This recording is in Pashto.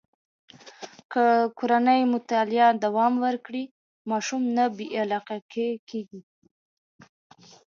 که کورنۍ مطالعه دوام ورکړي، ماشوم نه بې علاقې کېږي.